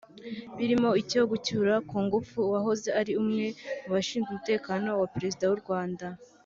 birimo icyo gucyura ku ngufu uwahoze ari umwe mu bashinzwe umutekano wa Perezida w’u Rwanda